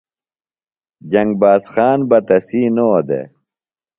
جنگ باز خان بہ تسی نو دےۡ